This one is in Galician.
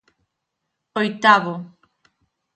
Oitavo.